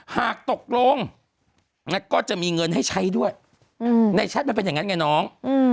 หากตกลงก็จะมีเงินให้ใช้ด้วยในแชทมันเป็นอย่างนั้นไงน้อง